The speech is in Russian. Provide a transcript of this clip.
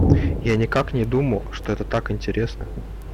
Я никак не думал, что это так интересно!